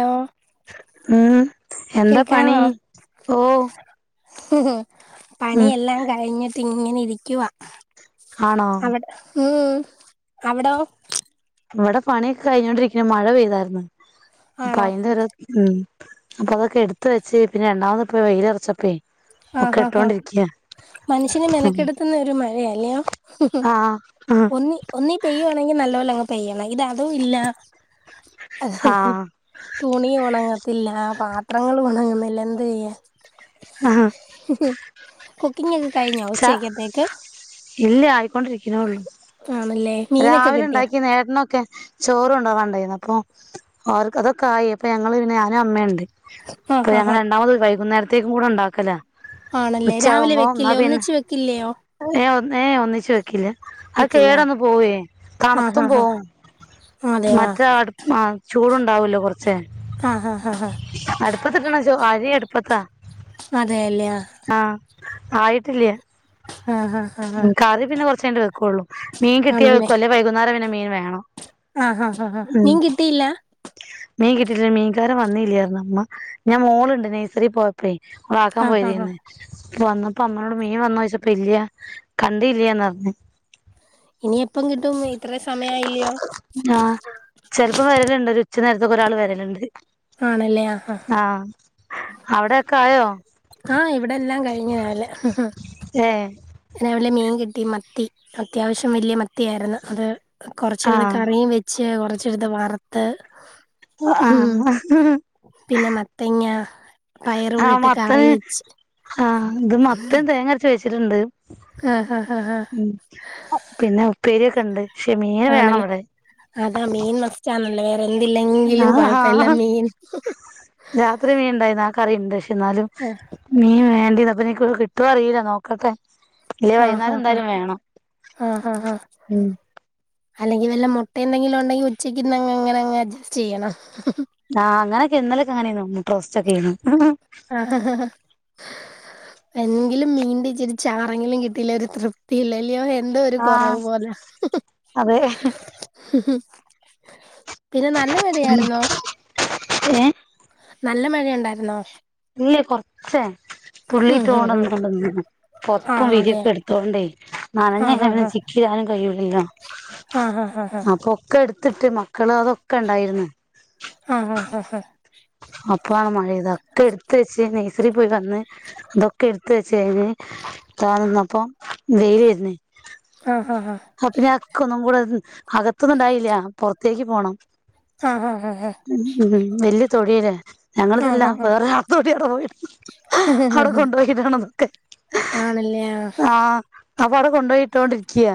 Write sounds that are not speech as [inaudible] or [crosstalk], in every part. Hello ഉ എന്താ പണി ഓ ഹ്‌ഹും ഉം പണിയെല്ലാം കഴിഞ്ഞ് ഇങ്ങനിരിക്കുവാ ആണോ അവടെ ഉം അവിടോ ഇവിടെ പണിയൊക്കെ കഴിഞ്ഞോണ്ടിരിക്ക്ന്ന് മഴ പെയ്താ ർന്ന് ആണോ പയന്തരാ ഉം അപ്പൊ അതൊക്കെ എടുത്ത വെച്ച് പിന്നെ രണ്ടാമത് പോ വെയിലൽ ഇറച്ചപ്പോേ ആ ആാ ഹ മനുഷ്യനെ മെനക്കെടുത്തുന്ന ഒരു മഴയ അല്ലോ ആ ഒന്നി ഒന്നീ പെയ്യുവാണെങ്കിൽ നല്ല പോോലെ പെയ്യണം ഇത് അതും ഇല്ല ആ ഹ് ഹ് തുണിയ ഓണങ്ങ ത്തില്ല പാത്രങ്ങൾ ഉണങ്ങുന്നില്ല എന്ത് ചെയ്യ ആഹ കുക്കിംഗ [unintelligible] ച ഇല്ല ആയിക്കൊണ്ടിരിക്ക്ണോള്ളൂ ആണല്ലേ മീനൊക്കെ രാവിലെ കിട്ടിയാ ഉണ്ടാക്കി നേട്ടനൊക്കെ ചോറ് കൊണ്ടാകാൻണ്ടായിരുന്നു അപ്പൊ അവർ അതൊക്കെ ആയി അപ്പൊ ഞങ്ങള് പിന്നെ ഞാനും അമ്മയുണ്ട് ഇപ്പൊ ആഹ് ആഹ് ഞങ്ങൾ ആഹ് രണ്ടാമത് വൈകുന്നേര ത്തേക്കും കൂടെ ഉണ്ടാക്കലാ ആണല്ലേ രാവിലെ ഉച്ചയാകുമ്പോ എന്നാ വെക്കില്ലേ പിന്നെ ഒന്നിച്ച് വെ ഏ ഏ ഒന്നിച്ചു വെക്കില്ല അത് വെക്കില്ല കേടന്ന് പോവേ ആഹ് തണുത്തും ആഹ് പോവും ആഹ് അതെയോ മറ്റ ചൂടു ഉണ്ടാവല്ലോ കുറ ച്ചെ ആഹ് ആഹ് ആഹ് അടുപ്പത്തിട്ട്ണ ചോ അരി അടുപ്പത്താ അതെല്ലേ ആ ആയിട്ടില്ല്യ ആഹ് ആഹ് ആഹ് ഉം കറി പിന്നെ കൊറച്ച് കയിഞ്ഞിട്ടേ വെക്കുള്ളൂ മീൻ കിട്ടിയാ വെക്കും അല്ലെ വൈകുന്നേരം പിന്നെ മീൻ വേണം ആഹ ഹ ഹാ ഉം മീൻ കിട്ടിയില്ല മീൻ കിട്ടീട്ടില്ല മീൻകാരൻ വന്നില്ലായിരുന്നു അമ്മ ഞാൻ മോളുണ്ട് നഴ്സറി പോയപ്പോഴേ അവളാക്കാൻ ആഹ് ആഹ് ആഹ് പോയതേന്ന് വന്നപ്പോ അമ്മയോട് മീ ൻ വന്നോന്ന് ചോയ്ച്ചപ്പ ഇല്ല്യാ കണ്ടീല്ല്യാന്ന് പറഞ്ഞ് ഇനി എപ്പം കിട്ടും ഇത്ര സമയായില്ലയോ ആഹ് ചിലപ്പോ വരലുണ്ട് ഒരു ഉച്ച നേര ത്തൊക്കെ ഒരാൾ വരുല്ണ്ട് ആണല്ലേ ആ ആ അവിടെക്കെ ആയോ ആഹ് ഇവിടെ എല്ലാം കഴിഞ്ഞു ഏ രാവിലെ ലെ മീൻ കിട്ടി മത്തി അത്യാവശ്യം വലിയ മത്തിയായിരുന്നു അത് കൊറച്ചെടുത്ത് ആഹ് കറിയും വെച്ച് കൊറച്ച് ച്ചെടുത്ത് വറ്ത്ത് ഉം ആഹ് പിന്നെ മത്തങ്ങ പയറൂടെ ആഹ് ഇട്ട് കറി മത്തന് വെച്ച് ആ ഇത് മത്തൻ തേങ്ങ അരച്ച് വെച്ച് ച്ചിട്ട്ണ്ട് ആഹ് ആഹ് ആഹ് ആഹ് ഉം പിന്നെ ഉപ്പേരിയൊ ക്കെണ്ട് ആന്നല്ലേ അതാ മീന് മസ്റ്റ് ആണല്ലേ എന്തില്ലെങ്കിലും കൊഴപ്പല്ല ആഹ് മീൻ ഹഹ് കറീണ്ട് ന്നാലും മീൻവേണ്ടിതാ അപ്പ് ഞ കിട്ടോ അറീല്ല നോക്കട്ടെ ഇല്ലേ വൈകുന്നേരം ആഹഹ എന്തായാലും വേണം ഹാഹാഹാ ഉം അല്ലെങ്കിൽ വെല്ല മുട്ടയെന്തെങ്കിലും ഉണ്ടെങ്കി ഉച്ചക്ക്ര്ന്നങ്ങ്ങ്ങനെങ്ങഡ്ജസ്റ്റ് ചെയ്യണം ആ അങ്ങനൊക്കെ ഇന്നല് ങ്ങനെയന്നുന്ന് ക്രോസ്സ് ചെക്ക്യ്യണം ആഹഹഹ എങ്കിലും മീൻ്റിച്ചിരി ചാറെങ്കിലും കിട്ടിയില്ലേ ഒരു തൃപ്തി ഇല്ലല്യോ ന്തോ ഒരു ആഹ് കൊറവ് പോല അതെ ഹ് ഹ് ഹ് പിന്നെ നല്ല മടിയായിര്ന്നോ ഏഹ് ല്ല മഴയൊണ്ടായിര്ന്നോ ഇല്ല്യ കൊറച്ചേ ഉം ഉം ഉം തുള്ളിട്ടൊണ്ട് പൊത്പ്പും ആഹ് അതെ വിരിയൊക്കെട്ത്തോണ്ടേ ആഹ് നനഞ്ഞങ്ങെനെ ആഹ് ചിക്കിയാ യ്യുലെല്ലോ ആഹ് ആഹ് അ കൊക്കെട് [unintelligible] ക്കള് അതൊക്കെണ്ടായിര്ന്ന് ആഹ് ആഹ് ആഹ് ളാണ് മഴെയ്തെ ക്കെ എട്ത്ത് വെച്ച് നഴ്സറിപോയി വന്ന് തൊക്കെ എട്ത്ത് വെച്ച് ഴിഞ്ഞ് താന്നപ്പം വെയില് വെര്ണ് ആഹ് ആ പിന്നെ അക്കൊന്നും കൂടോയോ അകത്തൊന്നുണ്ടായില്ല്യ പൊറ തേക്ക്പോണം ആഹ് ആഹ് ഉം ഉ എല്ല് തൊഴിലെ ഞങ്ങളിത് ല്ല ആഹ് ആഹ് വേറെരാളെ തൊടിയ അവ്ടെകൊണ്ടോയിടണെന്നൊക്കെ ആണല്ലേ ആ അ പ്പോ അവ്ടെ കൊണ്ടോയിട്ടോണ്ടിരിക്ക്യാ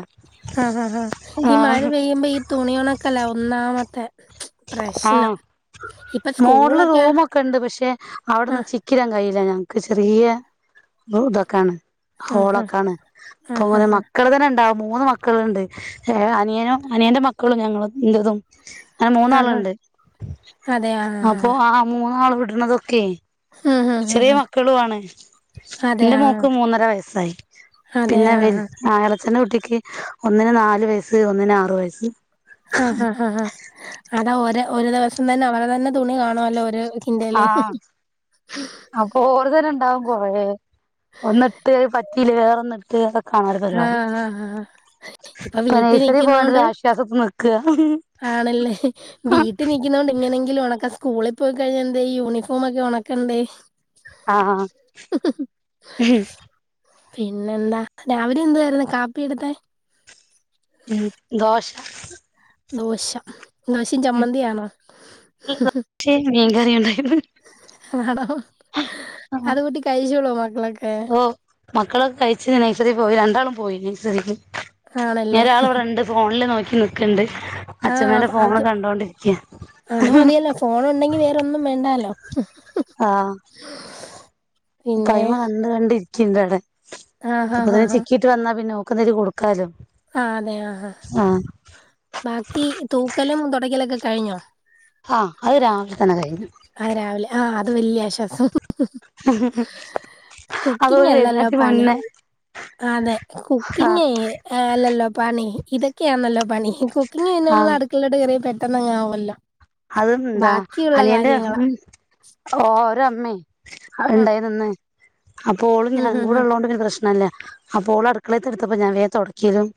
ങാ ങ്ഹാ ഹാഈ മഴ പെയ്യുമ്പോ ഈ തുണിയൊണൊക്കലാവും ഒന്നാമത്തെ ആഹ പ്രശ്നം ഇപ്പൊ മോഡില് സ്കൂളൊക്കെ റൂമൊക്കെഉണ്ട് പക്ഷെ അവിടെന്ന് ആഹ് ചിക്കിടാൻ കഴി ഞങ്ങക്ക് ചെറിയ ഇതാക്കാണ് ആഹ് ഹോളൊക്കാണ് ആഹ് അപ്പൊനെ ആഹ് ആഹ് മക്കൾ തന്നെ ഉണ്ടാവ മൂന്ന് മക്കളുണ്ട് അനിയനും അനിയന്റെ മക്കളും ഞങ്ങളും എന്റതും അഹ് ആഹ് മൂന്നാള്ണ്ട് അതെ ആഹ് അപ്പോ ആഹ് മൂന്നാള ഇടണതൊക്കേ ചെറിയ ആഹ് മക്കളു ആണ്. അതെ എന്റെ ആഹ് മോക്ക് മൂന്നര വയസ്സായി അതെ പിന്നെ വൽ ആഹ് ആങ്ങളയച്ചന്റെ കുട്ടി ക്ക് ഒന്നിന് നാലു വയസ്സ് ഒന്നിന് ആറു വയസ്സ്. ആഹ് ഹാ ഹാ ഹാ അതാ ഒര് ഒരു ദിവസം തന്നെ അവടെ തന്നെ തുണി കാണുവല്ലോ ഒര്. ആഹ് അപ്പൊ ഓരതന്നെ ഇണ്ടാവും കൊറേ. എന്നട്ട് പ റ്റില്ല വേറൊന്നെടുത്ത് [unintelligible] കാണാരു പരിപാടി ആഹ് ആഹ് ആഹ് ഇപ്പൊ ഇപ്പ വീട്ടി നഴ്സറി നിക്കുന്നോണ്ട് പോണേണ്ടൊരു ആശ്വാസത്തി നിക്കാ. ആണല്ലേ വീട്ടി നിക്കുന്നോണ്ട് ഇങ്ങനെങ്കിലും ഒണക്കാൻ സ്കൂളി പോയി കഴിഞ്ഞ എന്ത് ചെയ്യും യൂണിഫോമൊക്കെ ഒണക്കണ്ടെ. ആഹ് പിന്നെ എന്താ രാവിലെ എന്തുവാരുന്നു കാപ്പി അവിടുത്തെ? ഉം ദോശ ദോശ ദോശയും ഉം ചമ്മന്തിയാണോ? ദോശയും [unintelligible] ആണോ ആഹ് അത്കൂട്ടി കഴിച്ചോളൂവോ ഓ മക്കളൊക്കെ കഴിച്ച് നെഴ്സറി പോയി രണ്ടാളും പോയിന ശരികും - ഞ ആണല്ലേ ഒരാളെ ഇവിടെണ്ട് ഫോണില് നോക്കി [unintelligible] ആഹ അച്ഛമ്മേന്റെ ഫോണ് അത് കണ്ടോണ്ടിരിക്ക അത് മതിയല്ലോ ഫോൺ ഉണ്ടെങ്കി വേറെന്നും വേണ്ടാലോ ആ പിന്നെ കൈമ കണ്ട് കണ്ടി കിന്തടെ [unintelligible] ആഹ് അപ്പൊ ആഹ് ദേ ചിക്കിട്ട് വന്നാ പിന്നെ ഒക്കുന്നരി കൊടുക്കാലും ആ അതെ ആ ബാക്കി തൂക്കലും തുടയ്ക്കലൊക്കെ കഴിഞ്ഞോ ആ അത് രാവിലെ തന്നെ കഴിഞ്ഞു. അത് രാവിലെ ആ അത് വലിയ ആശ്വാസം അത് കുക്കിങ്ങ് ഓര് എല്ലല്ലോ വരുന്നേരത്തിന് പണി മുന്നേ അതെ ആഹ് കുക്കിങ്ങ് അല്ലല്ലോ പണി ഇതൊക്കെയാണല്ലോ പണി കു കുക്കിംഗ്‌ പിന്നെ നമ്മളെ ആഹ് അടുക്കളലോട്ട് കേറിയ പ പെട്ടെന്ന്ങ്ങെ ആവല്ലോ അതും എന്താ അനിയന്റെ ഉം ഓരമം മ് ആ ഉണ്ടായി നിന്ന് അപ്പോ ഓളും ഉം ഞങ്ങൾ ഹും കൂടെ ഹും ഉള്ളോണ്ട് പ്രശ്നല അപ്പ ഓള് അടുക്കളേത്ത് ഇട്ത്തപ്പ ഞാൻ വേം തൊടയ്ക്കലും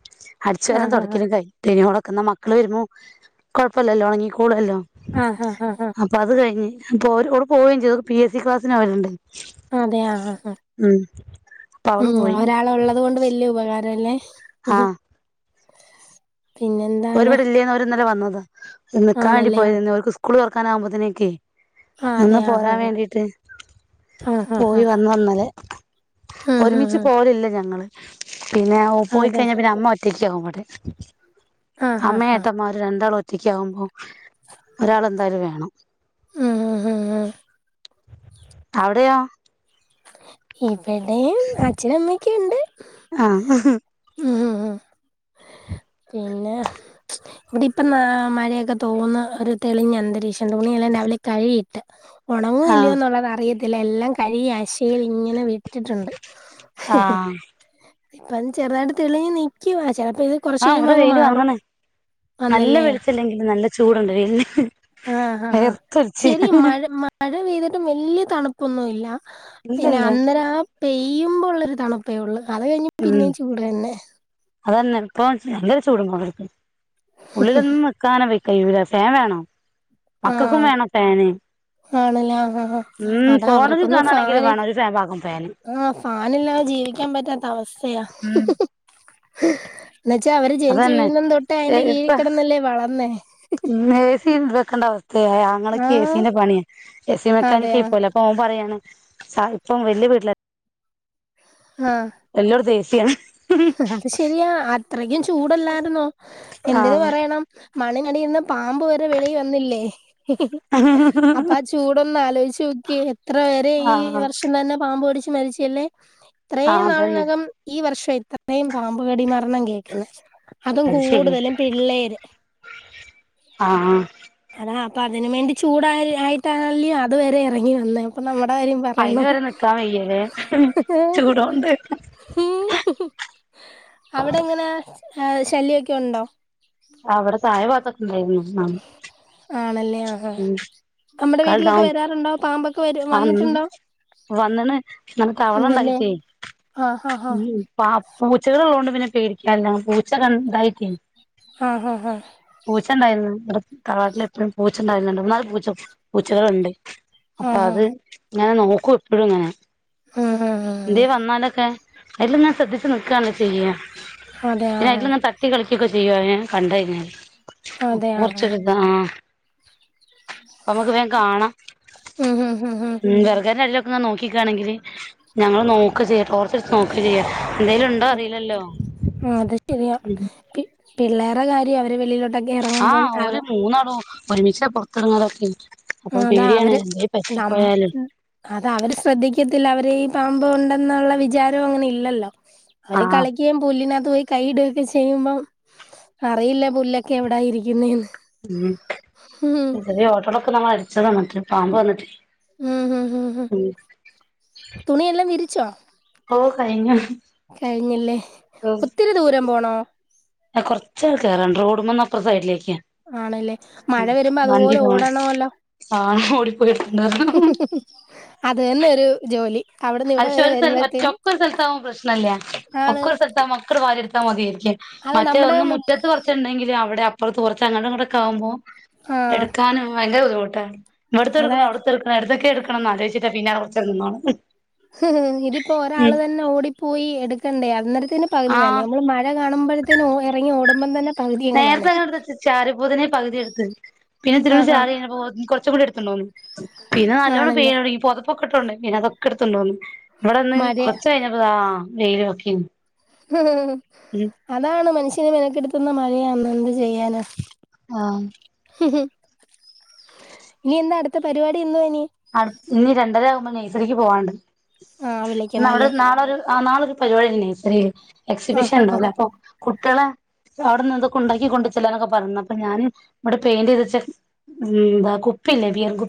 അടിച്ച് ആ വാരലും ഹാ ഹാ തുടക്കലും [unintelligible] ക്ക്ന്നാ മക്കള് വരുമ്മം കുഴപ്പല്ലല്ലോ ഒണങ്ങിക്കോളൊല്ലോ ആഹ ഹാ ഹ അപ്പോര് ഓള് പോവേം ചെയ്ത് ഓക്ക് പി എസ് സി ക്ലാസിന് പോവൽണ്ട് അതെ ആ ഹാ ഹ അപ്പൊ അവള് ഉം പോയി ഒരാളു ഉള്ളത് കൊണ്ട് വല്യ ഉപകാ രഅല്ലേ ഹാ ഓര് പിന്നെന്താണ് വടെ ഇല്ല്യേന്ന് ഓര്ന്നലെ വന്ന നിക്കാൻ വേണ്ടി ആണല്ലേ ആ പോയതേർന്ന് ഓർക്ക് സ്കൂളൊർ ക്കാനാവുമ്പോത്തിനേക്കെ ആ അതെ നിന്ന് ആ ഹാ പോരാൻ ഹാ വേണ്ടിട്ട് ആ ഹാ ഹാ പോയി വന്നാ ഇന്നലെ ഉം ഹും ഒരുമിച്ച് ഹും പോവലില്ല ഞങ്ങള് പിന്നെ ഓ അതെ പോയിക്കഴിഞ്ഞാ പിന്നെ അമ്മ ഒ റ്റയ്ക്കാവും വടെ ആ ഹാ ഹാ അമ്മയേട്ടമാരും രണ്ടാളു ഒ റ്റയ്ക്ക് ആവുമ്പം ഒരാൾ എന്തായാലും വേണം ആഹ് ആഹ് ആഹ് ആഹ് അവിടെയോ? ഇവിട് ഇവടെയും അച്ഛനു അമ്മയൊക്കെയിണ്ട് ആഹ് ഉം ഉം ആ പിന്നെ ഇവിടെ ഇപ്പ നാ മഴയൊക്കെ തോന്ന് ഒരു തെളിഞ്ഞ അന്തരീക്ഷം തുണിയെല്ലാം രാവിലെ കഴിയിട്ട് ഒണങോ ഇല്ലയോ ആഹ് എന്നുള്ളത് അറിയ ഇതിലെല്ലാം കഴിയാശ് യിൽ ഇങ്ങനെ വിട്ടിട്ടുണ്ട് ഹിഹി ആഹ് ഇപ്പൊന്ന് ചെറുതായിട്ട് തെളിഞ് നിക്കുവാ ചെലപ്പോ കൊറച് ആഹ് കഴിയുമ്പോ ഇവിടെ അങ്ങ് വെയില് മാറും വന്നണ് നല്ല വന്നല്ലേ വെളിച്ചല്ലെങ്കിലും നല്ല ചൂടുണ്ട് വെയിലിന് ആ ഹാ ഹാ വേർത്തൊലിച്ച് ശരി മഴ മഴ പെയ്തിട്ടും വലിയ തണുപ്പ പൊന്നു ഇല്ല പിന്നെ ഇല്ലല്ല അന്നേരാ ആ പെയ് യ്യുമ്പോൾ ഉള്ള ഒരു തണുപ്പേ ഉള്ള് അത് കഴിഞ്ഞ് പിന്നേം ചൂട് തന്നെ [unintelligible] നല്ലൊരു ചൂടുംപൊകെട്ക്ണ് ഉള്ളിലൊന്നും നിക്കാനെ വെയ് കയ്യൂല ഫേൻ വേണം ആ മക്കൾക്കും വേണം ഫാന് ആണ്ലെ ആ ഹാ ഹാ ഉം അതാ ഫോണില് അവർക്കൊന്നും ഫാൻ കാണാണെങ്കിലും വേണം ഒരു ഫാൻ പാകം ഫാന് ആ ഫാന്ല്ലാതെ ജീവിക്കാൻ പറ്റാത്ത അവസ്ഥയാ ഉം [unintelligible] എന്ന്ച്ചാ അവര് ജനിച്ചു അതന്നെ വീഴുന്ന തൊട്ടേ അയിന്റെ കീഴ് ഇപ്പ കെടന്നല്ലേ വളർന്നേ ഹി ഹി ഇക്കണ്ട [unintelligible] ഏ ആങളകെ എ സി ൻ്റെ പണിയാ എ സി മെകാനിക് അതെയ പോലെ അപോ അവൻ പറയാണ് സാഹിപം വല്ല്യ വീട്ട്ലാ എല്ലോട്തും എ സി [unintelligible] ഹ ഹ അത് ശരിയാ അത്രയ്ക്കും ചൂടല്ലായിരുന്നോ എന്തിന് ആഹ് പറയണം മണ്ണിനടിയ്ന്ന് പാമ്പ് വരെ വെളിയിൽ വന്നില്ലേ ഹി ഹി അപ്പൊ ആ ചൂടൊന്ന് ആലോചിച്ചു നോക്കിയേ എത്ര പേരെ ഈ ആഹ് വർഷം തന്നെ പാമ്പടിച്ചു മരിച്ചല്ലേ ഇത്രയും ആഹ് അതന്നെ നാളിനകം ഈ വർഷം ആ ഇ ഇത്രയും പാമ്പ് കടി മരണം കേക്കുന്നെ അതും അത് ശരിയാ കൂടുതലും പിള്ളേര് ആഹ് അതാ അപ്പ അതിന് വേണ്ടി ചൂടായി ആയിട്ടാല്ലേ അത് വരെ ഇറങ്ങി വന്ന അപ്പ നമ്മ [unintelligible] അയിന് പറയണം വരെ നിക്കാൻ വയ്യല്ലേ ചൂടോണ്ട് ഹ് ഹ് മ്മ്ഹ് അവിടെ എങ്ങനെ ആ ശല്യൊക്കെ ഉണ്ടോ ആവിടെത്തായ വത്ത ഉണ്ടായി ആണല്ലേ ആ ആ നമ്മുടെ ആക്ക ഡ വീട്ടിലൊക്കെ വരാറുണ്ടോ പാമ്പൊക്കെ വരും വന്നിട്ടുണ്ടോ വന്നണ് ഇങ്ങനെ തവള ഒന്നില്ലേ ഉണ്ടായിട്ടേ ആ ഹാ ഹാ പൂച്ചകള ഉള്ളതൊണ്ട് പിന്നെ പേടിക്കാല്ല പൂച്ച കണ്ടായി തിൻ ആ ഹാ ഹാ പൂച്ചണ്ടായിരുന്നു വിടെ തറവാട്ടിലെപ്പൊഴും പൂച്ച ഉണ്ടായിരുന്നുണ്ട് മൂന്നാല് പൂച്ച പൂച്ചകളുണ്ട് ആ അപ്പ ഹാ അത് ങ്ങെനെ നോക്കൂപ്പൊഴുങ്ങെനെ ഇതേ വന്നാലൊക്കെ അല്ല ഞാൻ ശ്രദ്ധിച്ച് നിക്കാണ് ചെയ്യ അതെ ആ [unintelligible] തട്ടി കളിക് ക്കൊക്കെ ചെയ്യോ അയിനെ കണ്ടയ്ഞ്ഞാല് അതെ ആ [unintelligible] ഒമ്മുക്ക് വേം കാണാം ഉം വെറഗനല്ല ഒന്നണ്ട് നോക്കിക്കാണെങ്കില് ഞങ്ങള് നോക്ക ചെയ്യാ ടോർ [unintelligible] നോക്ക ചെയ്യ എന്തേലും ഉണ്ടോ അറിയില്ലല്ലോ അത് ശരിയാ മ്മ്ഹ് പി പിള്ളേരെ കാര്യം അവരെ വെളിയിലോട് ആ ഓര് മൂന്നാളും ഒരുമിച്ച പുറത്തിങ്ങൊതൊക്കെ ആ അതാ അവര് നമ് അതവര് ശ്രദ്ധിക്ക ത്തില്ല അവരീ പാമ്പ് ഒണ്ടെന്നുള്ള വിചാരോം അങ്ങനെ ഇല്ലല്ലോ അവര് ആഹ് കളിക്കയും പുല്ലിന തോയി കൈയിട്ട്തൊക്കെ ചെയ്യുമ്പം അറിയില്ല പുല്ലൊക്കെ എവിടായിരിക്കുന്നേന്ന് ഉം ഉടനെ ഓട്ടടക്കുന്നമാരി ച്ചതാ മറ്റെ പാമ്പ് വന്നിട്ട് ഉം ഹ് ഹ് ഹും ഉം തുണിയെല്ലാം വിരി ച്ചോ ഓ കഴിഞ്ഞു ഹ് കഴിഞ്ഞില്ലേഹ് ഒത്തിരി ദൂരം പോണോ ആ കൊറച്ചണ്ട് കയറാണ്ട് റോഡ് മന്നപ്പുറ സൈഡിലേക്ക് ആണല്ലേ ക്കാ മഴ മ്മ് വരുമ്പോ വണ്ടി അതുപോലെ പോം ഓടണമല്ലോ ആഹ് ഓടിപ്പോയിട്തൊണ്ട്ര അതേന്നൊരു ജോലി അവിടുന്ന് അഹ് ഇവിടെ ശോ വരെ ഒരു സൽഒ വരുമ്പോഴത്തേന് ഒക്കൊരു സൽ സലത്താവും പ്രശ്നല്ല ആണ് ഒക്കൊരു സൽത്താവുമ്പോ ഒക്കണ്ട് വാരിട് ത്താ മതിയെന്നു ക്ക് അത് മറ്റേ നമ്മുടെ ഒന്ന് മിറ്റ മുറ്റത്ത് കുറച്ചെന്തെങ്കിലും അവ്ടെ അപ് ഇപ്പോൾ തോർച്ച അങ്ങട് ഇങ്ങ്ടൊക്കെ ആകുമ്പോ ആ എടുക്കാനും ഭയങ്കര ബുദ്ധിമുട്ട് അതാ ഇവിടുത്തെടുക്കണോ അവിടുത്തെടുക്കണോ എവിടുത്തയൊക്കെ എടു ണംന്ന് ആലോചിച്ചിട്ടാ പിന്നെ [unintelligible] കൊറച്ചേരം [unintelligible] ഇതിപ്പോ ഒരാള് ഉം തന്നെ ഓടിപ്പോയി എടുക്കണ്ടേ അ ത്തിന് പകുതി ആഹ് നനയും നമ്മള് മഴ കാണുമ്പഴത്തേന് ഓ എറങ്ങി ഓടും [unintelligible] നേരത്തെങ്ങനെട്ത്തെച് ചാരിപൊതിനെ പകുതി എടുത് ദേൻ പിന്നെ ത്ത് രൂട് ആഹ് ആഹ് ചാറിയ്‌ഞപ്പൊ ഓ കൊർച് കൂടിട് ത്ത്ണോം പിന്നെ നല്ലോണം ആണല്ലേ പെയ്യലൊട്ങ്ങി പൊ പൊ കിട്ടുണ്ടെയ്‌ഞ് അതൊക്കെ എടുത്തുണ്ടോന്ന് ഇവിടെന്ന് മഴയ കൊർച്ച് ഴിഞ്ഞപ്പതാ വെയ്ലൊ ക്കിം [unintelligible] അതാണ് മൻസ് [unintelligible] മനക്കെടുത്തുന്ന മഴയാന്നെന്ത് ചെയ്യാന ആഹ് ഇനി എന്താ അടുത്ത പരിപാടിന്ന് അട് ഞ്ഞി രണ്ടരാഉ മ് നൈസറീക്ക് പോവാണ്ട് ആഹ് വിളിക്കണം ന്നവ്ടെ അല്ലേ നാളൊരു ആ നാളരു പ്പ ജോലിണ്ട് നൈസെറീ ആഹ് എക്സിബിഷൻ ആഹ് ണ്ടാവുലെ പ്പൊ കുട്ട്യളെ ന്തൊ അവിടെ നിന്ന് എന്തൊക്കെ ഉണ്ടാക്കി കൊണ്ട് ചെല്ലാനൊക്കെ പറഞ്ഞ അപ്പ ഞാന് ഇവിടെ പെയിന്റ് [unintelligible] മ് ന്താ കുപ്പില്ലേ ബിയൻ കു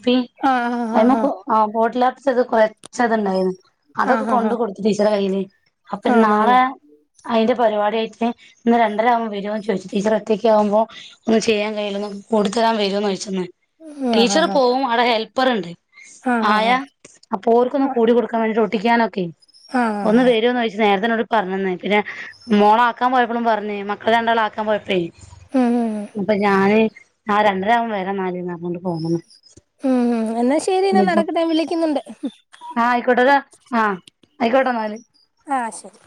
ആഹ ആ [unintelligible] ആ വോട്ടില ത് കുറച്ചത്ണ്ടായിരുന്നു അതൊക്കെ ആഹ് ആഹ് കൊണ്ട് ആഹ് കൊടുത്തു ടീച്ചറെ കയ്യിയില് അപ്പൊ നാളെ ആണല്ലേ അയിന്റെ പരിപാടി ആയിട്ട് ഇന്ന് രണ്ടര ആകുമോ വരുമോന്ന് ചോദിച്ചു ടീച്ചറ് ഒത്തക്ക് ആവുമ്പോ ഒന്ന ചെയ്യാൻ കഴയില്ല കൂടുലരാൻ വരോന്ന് ചോദിച്ന്ന് ആഹ് ടീച്ചർ ആഹ് പോവും അവിടെ ഹെൽപ് പറണ്ട് ആഹ് ആഹ് ആയാ അപ്പൊ ഓർക്കൊന്ന് കൂടി കൊടുക്കാൻ വേണ്ടിട്ട് കുട്ടിക്കാനൊക്കെ ആഹ് ആഹ് ഒന്ന് ആഹ് വരുമോന്ന് ചോദിച്ചു നേരത്തെ പറഞ്ഞന്ന് പിന്നെ മോള ആക്കാൻ പോയപ്പോഴും പറഞ്ഞേ മക്കള രണ്ടാള ആക്കാൻ പോയപ്പെ ഉം അപ്പൊ ഞാന് ആ രണ്ടര ആകുമ്പോ വരന്നാല് ന്നർഞ് പോന്ന്ണ് ഉം ഉം എന്നാ ശരി എന്നാ നടക്കട്ടെ ഞാൻ വിളിക്കുന്നുണ്ട് ആഹ് ആയിക്കോട്ടതാ ആഹ് ആയിക്കോട്ടെ മാല് ആഹ് ശരി